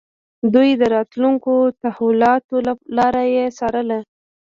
دوی د راتلونکو تحولاتو لاره يې څارله.